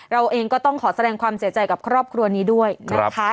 เราเองก็ต้องขอแสดงความเสียใจกับครอบครัวนี้ด้วยนะคะ